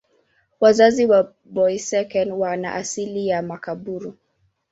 Wazazi wa Boeseken wana asili ya Makaburu.